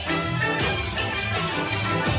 โอ้โฮ